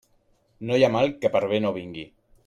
No hi ha mal que per bé no vinga.